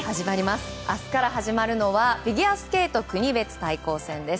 明日から始まるのはフィギュアスケート国別対抗戦です。